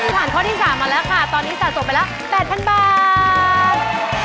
ผ่านข้อที่๓มาแล้วค่ะตอนนี้สะสมไปแล้ว๘๐๐๐บาท